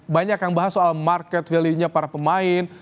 banyak yang bahas soal market value nya para pemain